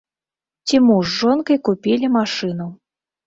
Ці муж з жонкай купілі машыну.